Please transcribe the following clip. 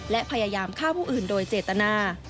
และพยายามฆ่าผู้อื่นโดยเจตนา